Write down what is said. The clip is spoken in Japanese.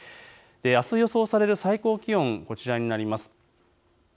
あす予想される最高気温、こちらになります。